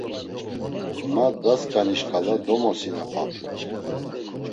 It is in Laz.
Ma dasǩani şǩala domosinapapi.